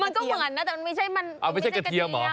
มันก็เหมือนนะแต่มันไม่ใช่มันไม่ใช่กระเทียมเหรอ